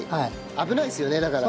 危ないですよねだから。